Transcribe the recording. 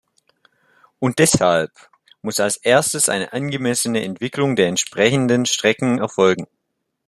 Und deshalb muss als Erstes eine angemessene Entwicklung der entsprechenden Strecken erfolgen.